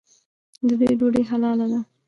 د دوی ډوډۍ حلاله ده.